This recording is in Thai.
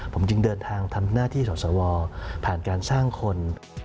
ผมจึงเดินทางทำหน้าที่สอสวผ่านการสร้างคน